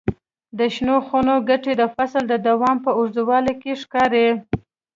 د شنو خونو ګټې د فصل د دوام په اوږدوالي کې ښکاري.